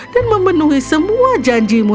dan memenuhi semua janjimu